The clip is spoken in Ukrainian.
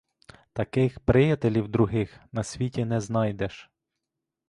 Таких приятелів других на світі не знайдеш.